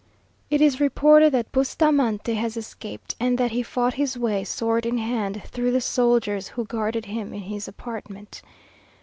It is reported that Bustamante has escaped, and that he fought his way, sword in hand, through the soldiers who guarded him in his apartment.